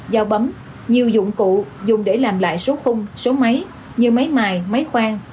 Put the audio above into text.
dao bấm nhiều dụng cụ dùng để làm lại số khung số máy như máy mài máy khoang